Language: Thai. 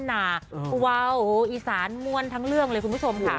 วาวอีสานม่วนทั้งเรื่องเลยคุณผู้ชมค่ะ